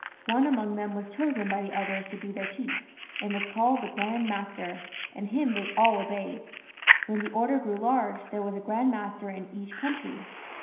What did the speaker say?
One among them was chosen by the others to be their chief, and was called the Grand Master, and him they all obeyed. When the Order grew large there was a Grand Master in each country.